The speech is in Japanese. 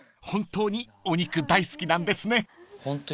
本当にお肉大好きなんですね］